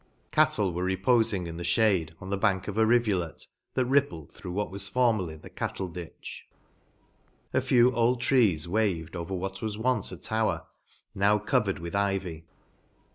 Cattle were repofmg in the made, on the bank of a rivulet, that rippled through what was formerly the caftle ditch. A few old trees waved over what was once a tower, now covered with ivy.